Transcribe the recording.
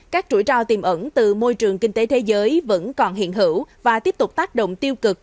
các chuỗi trao tiềm ẩn từ môi trường kinh tế thế giới vẫn còn hiện hữu và tiếp tục tác động tiêu cực